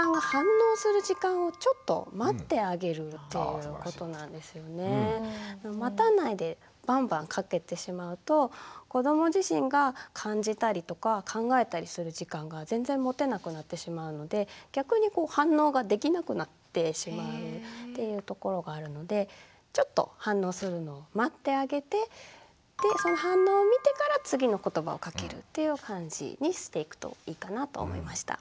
大事なのは待たないでバンバンかけてしまうと子ども自身が感じたりとか考えたりする時間が全然持てなくなってしまうので逆に反応ができなくなってしまうっていうところがあるのでちょっと反応するのを待ってあげてでその反応を見てから次のことばをかけるっていう感じにしていくといいかなと思いました。